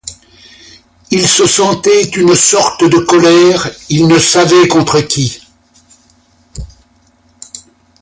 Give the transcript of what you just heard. Il se sentait une sorte de colère; il ne savait contre qui.